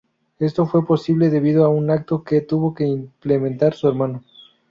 Esto fue posible debido a un acto que tuvo que implementar su hermano.